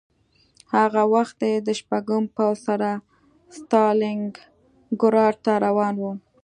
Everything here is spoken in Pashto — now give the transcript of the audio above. هغه وخت دی د شپږم پوځ سره ستالینګراډ ته روان و